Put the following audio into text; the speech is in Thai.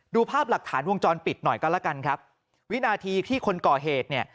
ภาพหลักฐานวงจรปิดหน่อยก็แล้วกันครับวินาทีที่คนก่อเหตุเนี่ย